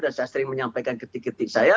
dan saya sering menyampaikan kritik kritik saya